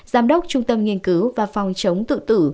giám đốc trung tâm nghiên cứu và phòng chống tự tử